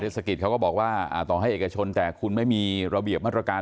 ศกิจเขาก็บอกว่าต่อให้เอกชนแต่คุณไม่มีระเบียบมาตรการ